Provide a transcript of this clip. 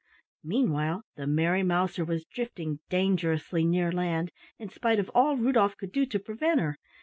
Meanwhile the Merry Mouser was drifting dangerously near land, in spite of all Rudolf could do to prevent her.